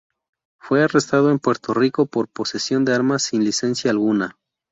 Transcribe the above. Fue arrestado en Puerto Rico por posesión de arma sin licencia alguna.